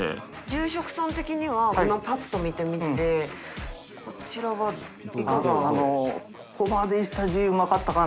住職さん的には、ぱっと見てみて、こちらはいかが。